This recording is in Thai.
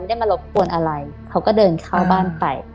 ได้มารบกวนอะไรเขาก็เดินเข้าบ้านไป